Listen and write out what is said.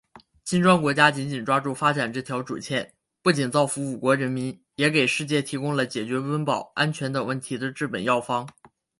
金砖国家紧紧抓住发展这条主线，不仅造福五国人民，也给世界提供了解决温饱、安全等问题的治本药方。